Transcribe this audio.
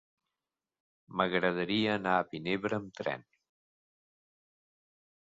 M'agradaria anar a Vinebre amb tren.